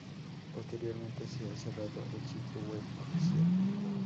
Posteriormente se ha cerrado el sitio web oficial.